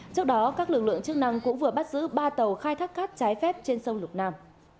trước đó các lực lượng chức năng cũng vừa bắt giữ ba tàu khai thác cát trái phép trên sông lục nam